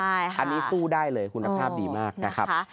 อันนี้สู้ได้เลยคุณภาพดีมากนะครับ